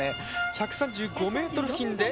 １３５ｍ付近で。